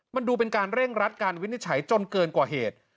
มันดูเป็นการเร่งรัดการวินิจฉัยจนเกินกว่าเหตุ